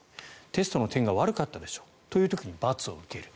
テストの点が悪かったでしょうという時に罰を受ける。